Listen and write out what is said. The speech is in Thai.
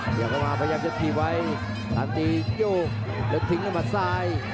เดี๋ยวก็มาพยายามจะทีไว้ตามตียกโยคเลิกทิ้งแล้วมาทราย